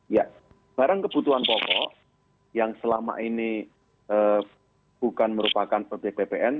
ya barang kebutuhan pokok yang selama ini bukan merupakan ppn